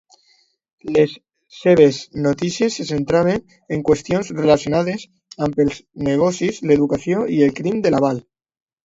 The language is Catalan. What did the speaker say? Les seves notícies se centraven en qüestions relacionades amb els negocis, l'educació i el crim de la vall.